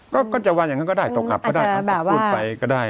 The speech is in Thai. ก็ก็จะว่าอย่างงั้นก็ได้ตกอับก็ได้อาจจะแบบว่าพูดไปก็ได้